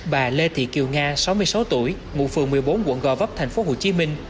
bà lê thị kiều nga sáu mươi sáu tuổi ngụ phường một mươi bốn quận gò vấp tp hcm